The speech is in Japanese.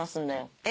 えっ！